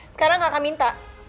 sekarang kakak minta